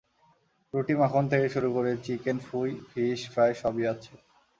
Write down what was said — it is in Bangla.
রুটি মাখন থেকে শুরু করে চিকেন ফুই, ফিস ফ্রাই সবই আছে।